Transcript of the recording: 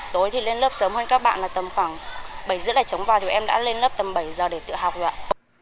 tối thì lên lớp sớm hơn các bạn là tầm khoảng bảy h ba trống vào thì em đã lên lớp tầm bảy giờ để tự học rồi ạ